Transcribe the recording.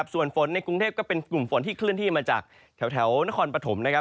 ส่วนฝนในกรุงเทพก็เป็นกลุ่มฝนที่เคลื่อนที่มาจากแถวนครปฐมนะครับ